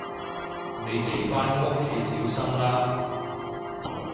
你哋返屋企小心啦